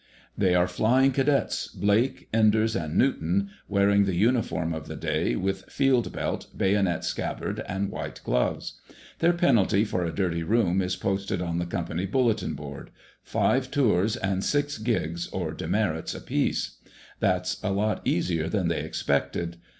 They are Flying Cadets Blake, Enders, and Newton, wearing the uniform of the day, with field belt, bayonet scabbard and white gloves. Their penalty for a dirty room is posted on the company bulletin board: five tours and six "gigs," or demerits, apiece. That's a lot easier than they expected.